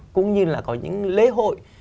cũng như là có những lễ hội